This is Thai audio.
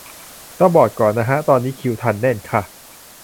ต้องบอกก่อนนะฮะ ตอนนี้คิวทันแน่นค่ะ